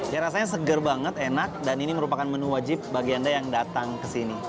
ya rasanya seger banget enak dan ini merupakan menu wajib bagi anda yang datang ke sini